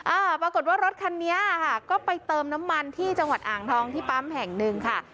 อ่าปรากฏว่ารถคันนี้ค่ะก็ไปเติมน้ำมันที่จังหวัดอ่างทองที่ปั๊มแห่งหนึ่งค่ะ